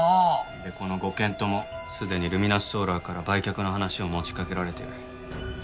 でこの５軒ともすでにルミナスソーラーから売却の話を持ちかけられてる。